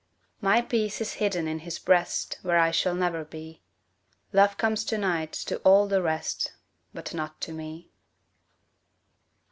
My peace is hidden in his breast Where I shall never be; Love comes to night to all the rest, But not to me.